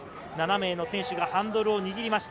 ７名の選手がハンドルを握りました。